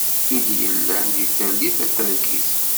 I d-yellan deg tallit taterkit.